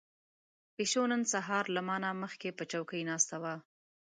پيشو نن سهار له ما نه مخکې په چوکۍ ناسته وه.